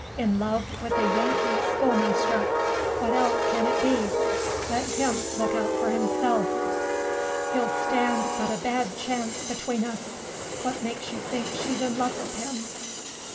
"In love with a Yankee schoolmaster! What else can it be? Let him look out for himself! He'll stand but a bad chance between us. What makes you think she's in love with him?